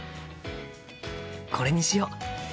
これにしよう！